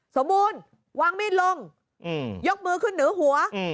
สมบูรณ์วางมีดลงยกมือขึ้นเหนือหัว